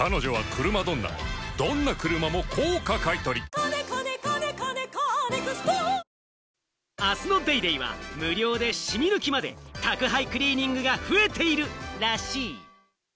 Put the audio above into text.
ニトリあすの『ＤａｙＤａｙ．』は、無料でシミ抜きまで宅配クリーニングが増えている、らしい。